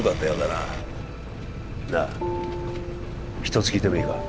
ななあ１つ聞いてもいいか？